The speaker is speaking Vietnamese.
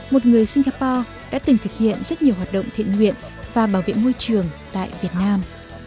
một người singapore đã từng thực hiện rất nhiều hoạt động thiện nguyện và bảo vệ môi trường tại việt nam